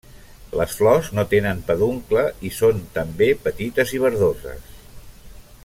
Les flors no tenen peduncle i són també petites i verdoses.